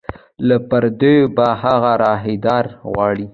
له پردیو به هغه راهداري غواړي